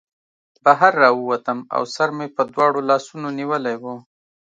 بهر راووتم او سر مې په دواړو لاسونو نیولی و